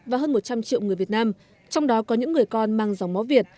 và hơn một trăm linh triệu người việt nam trong đó có những người con mang dòng máu việt